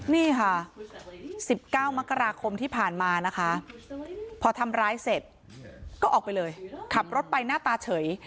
นี่ค่ะ๑๙มกราคมที่ผ่านมานะคะพอทำร้ายเสร็จก็ออกไปเลยขับรถไปหน้าตาเฉย